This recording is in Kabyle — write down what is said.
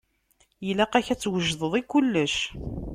Ilaq-ak ad twejdeḍ i kullec.